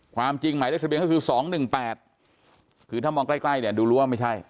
ความจริงหมายเลขทะเบียนก็คือ๒๑๘คือถ้ามองใกล้เนี่ยดูรู้ว่าไม่ใช่